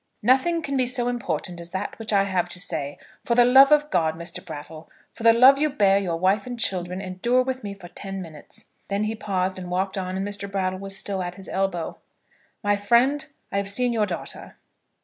"Nothing can be so important as that which I have to say. For the love of God, Mr. Brattle, for the love you bear your wife and children, endure with me for ten minutes." Then he paused, and walked on, and Mr. Brattle was still at his elbow. "My friend, I have seen your daughter."